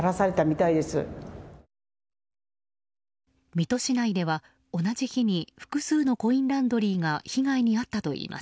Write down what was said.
水戸市内では同じに日に複数のコインランドリーが被害に遭ったといいます。